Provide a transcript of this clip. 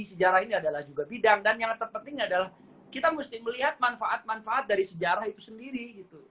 sejarah ini adalah juga bidang dan yang terpenting adalah kita mesti melihat manfaat manfaat dari sejarah itu sendiri